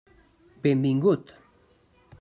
Benvingut!